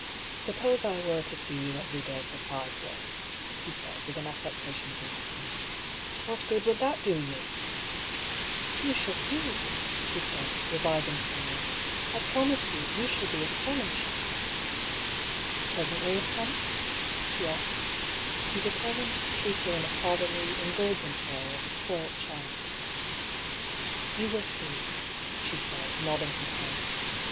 " Suppose I were to see you every day for five days," he said, with an affectation of amusement, " what good would that do you ?"" You shall see," she said, reviving somewhat ;" I promise you, you shall be astonished." " Pleasantly astonished ?" he asked. He determined to treat her in a fatherly, indulgent way, as a spoilt child. " You will see," she said, nodding her head.